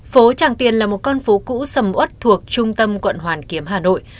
phố tràng tiền là một con phố cũ sầm út thuộc trung tâm quận hoàn kiếm hà nội